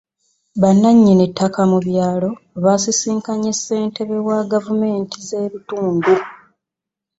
Bannannyini ttaka mu byalo baasisinkanye ssentebe wa gavumenti z'ebitundu.